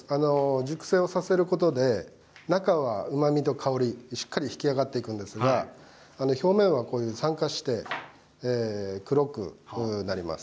熟成をさせることで中は、うまみと香りがしっかりと引き上がっていくんですが表面は酸化して黒くなります。